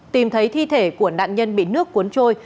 tìm thấy thi thể của nạn nhân bị nước cuốn trôi